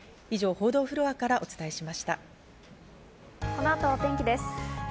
以上、報道フロアからお伝え